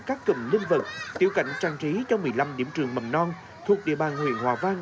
các cụm linh vật tiểu cảnh trang trí cho một mươi năm điểm trường mầm non thuộc địa bàn huyện hòa vang